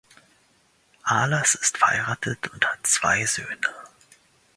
Ahlers ist verheiratet und hat zwei Söhne.